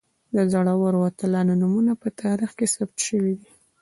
د زړورو اتلانو نومونه په تاریخ کې ثبت شوي دي.